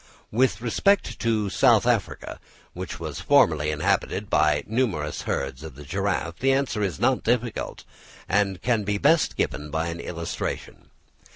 With respect to South Africa, which was formerly inhabited by numerous herds of the giraffe, the answer is not difficult, and can best be given by an illustration.